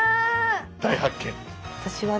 大発見！